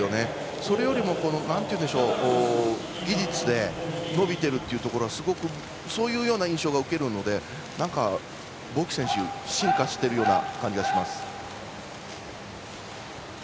それよりも、技術で伸びているというところがすごくそういう印象を受けるのでボキ選手、進化しているような感じがします。